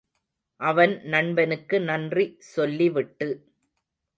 அவன் நண்பனுக்கு நன்றி சொல்லிவிட்டு.